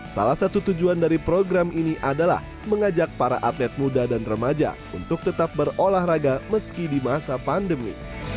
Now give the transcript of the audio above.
salah satu tujuan dari program ini adalah mengajak para atlet muda dan remaja untuk tetap berolahraga meski di masa pandemi